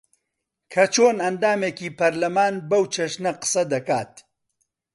کە چۆن ئەندامێکی پەرلەمان بەو چەشنە قسە دەکات